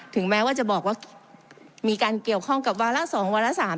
แม้ว่าจะบอกว่ามีการเกี่ยวข้องกับวาระ๒วาระ๓